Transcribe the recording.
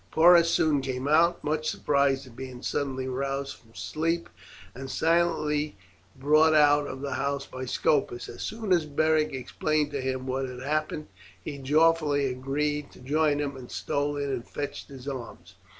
Porus soon came out, much surprised at being suddenly roused from sleep, and silently brought out of the house by Scopus. As soon as Beric explained to him what had happened, he joyfully agreed to join him, and stole in and fetched his arms.